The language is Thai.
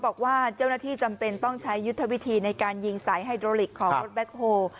บอกว่าเจ้าหน้าที่จำเป็นต้องใช้ยุทธวิธีในการยิงสายไฮโดลิกของรถแบ็คโฮ